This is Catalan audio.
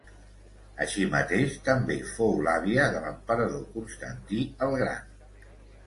Així mateix també fou l'àvia de l'emperador Constantí el gran.